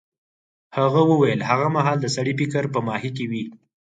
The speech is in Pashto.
هغه وویل هغه مهال د سړي فکر په ماهي کې وي.